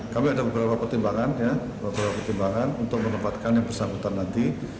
kami ada beberapa pertimbangan ya beberapa pertimbangan untuk menempatkan yang bersangkutan nanti